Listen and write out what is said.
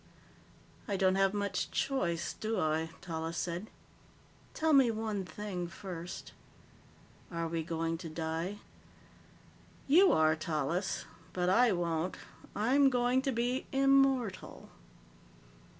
"I don't have much choice, do I?" Tallis said. "Tell me one thing first: Are we going to die?" "You are, Tallis. But I won't. I'm going to be immortal."